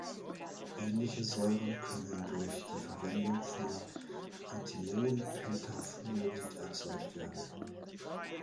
Ähnliche Säuren können durch die Verwendung von Antimonpentafluorid erzeugt werden.